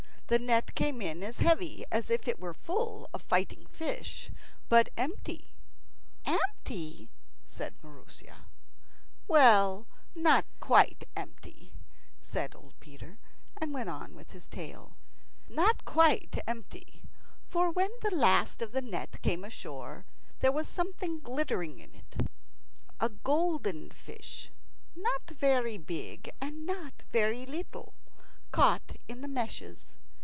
The net came in as heavy as if it were full of fighting fish, but empty . "Empty?" said Maroosia. "Well, not quite empty," said old Peter, and went on with his tale. Not quite empty, for when the last of the net came ashore there was something glittering in it a golden fish, not very big and not very little, caught in the meshes.